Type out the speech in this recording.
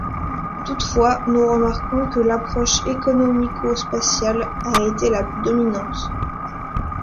Toutefois, nous remarquons que l’approche économico-spatiale a été la plus dominante.